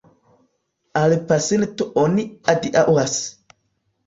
Al pasinto oni adiaŭas.